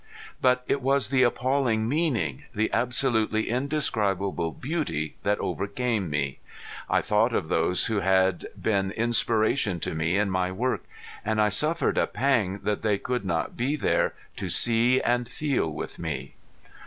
But it was the appalling meaning, the absolutely indescribable beauty that overcame me. I thought of those who had been inspiration to me in my work, and I suffered a pang that they could not be there to see and feel with me.